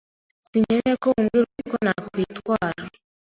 Sinkeneye ko umbwira uko nakwitwara.